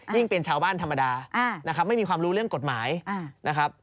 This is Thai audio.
เป็นชาวบ้านธรรมดานะครับไม่มีความรู้เรื่องกฎหมายนะครับ